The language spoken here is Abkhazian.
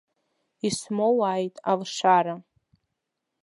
Исмоуааит алшара.